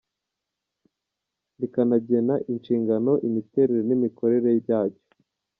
rikanagena inshingano, imiterere, n‟imikorere byacyo ;